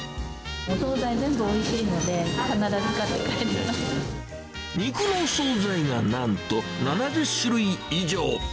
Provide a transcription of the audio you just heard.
お総菜、全部おいしいので、肉の総菜がなんと７０種類以上。